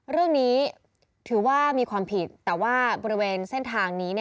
เรื่องนี้ถือว่ามีความผิดแต่ว่าบริเวณเส้นทางนี้